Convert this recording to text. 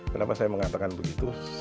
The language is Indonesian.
kenapa saya mengatakan begitu